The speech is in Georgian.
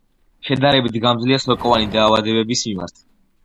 შედარებით გამძლეა სოკოვანი დაავადებების მიმართ.